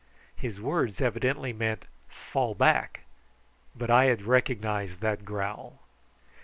His words evidently meant "Fall back!" but I had recognised that growl.